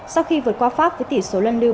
sau khi vượt qua pháp với tỷ số lần lưu bốn hai